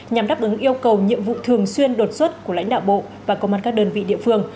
nhằm đáp ứng yêu cầu nhiệm vụ thường xuyên đột xuất của lãnh đạo bộ và công an các đơn vị địa phương